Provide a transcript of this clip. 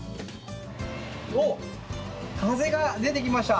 お、風が出てきました！